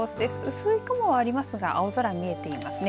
薄い雲はありますが青空が見えていますね。